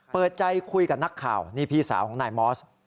เปิดใจคุยกับนักข่าวนี่พี่สาวของนายมอส